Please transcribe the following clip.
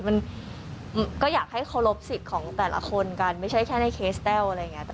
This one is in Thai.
มันก็อยากให้เคารพสิทธิ์ของแต่ละคนกันไม่ใช่แค่ในเคสแต้วอะไรอย่างนี้